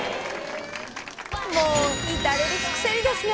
もう至れり尽くせりですね。